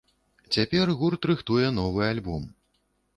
Цяпер гурт рыхтуе новы альбом.